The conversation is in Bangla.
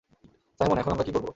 সাইমন, এখন আমরা কী করব?